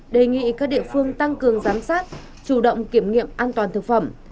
đề nghị các địa phương tăng cường giám sát chủ động kiểm nghiệm an toàn thực phẩm